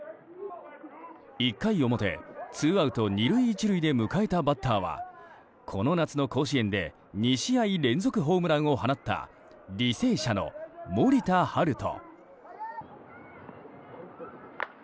１回表、ツーアウト２塁１塁で迎えたバッターはこの夏の甲子園で２試合連続ホームランを放った履正社の森田大翔。